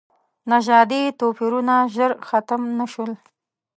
نژادي توپیرونه ژر ختم نه شول.